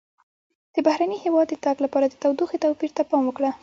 د بهرني هېواد د تګ لپاره د تودوخې توپیر ته پام وکړه.